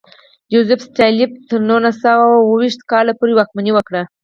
جوزېف ستالین تر نولس سوه اوه ویشت کال پورې واکمني وکړه.